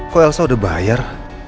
kok elsa udah bayar